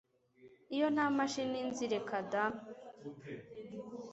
iyo ntamashini nzi rekada